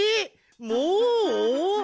もう！？